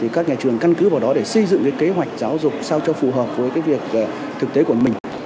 các nhà trường căn cứ vào đó để xây dựng kế hoạch giáo dục sao cho phù hợp với việc thực tế của mình